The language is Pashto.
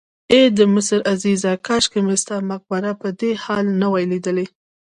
ای د مصر عزیزه کاشکې مې ستا مقبره په دې حال نه وای لیدلې.